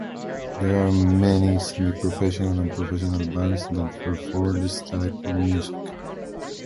There are many semiprofessional and professional bands that perform this type of music.